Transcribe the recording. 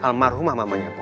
almarhumah mamanya boy